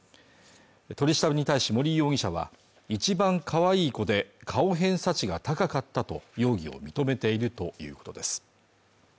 取り調べに対し森容疑者は一番かわいい子で顔偏差値が高かったと容疑を認めているということです